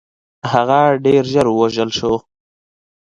هغه ډېر ژر ووژل شو.